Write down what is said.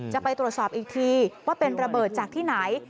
จะไปตรวจสอบอีกทีว่าเป็นระเบิดจากที่ไหน